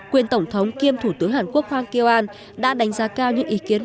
quyền tổng thống kiêm thủ tướng hàn quốc hoàng kiều an đã đánh giá cao những ý kiến